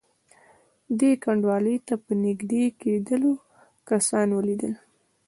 دې کنډوالې ته په نږدې کېدلو کسان ولیدل.